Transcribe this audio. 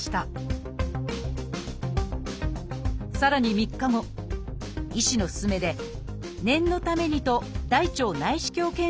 さらに３日後医師の勧めで念のためにと大腸内視鏡検査もしたのです。